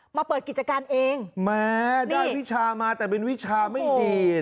เปิดกิจการเองแม้ได้วิชามาแต่เป็นวิชาไม่ดี